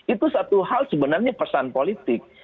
itu satu hal sebenarnya pesan politik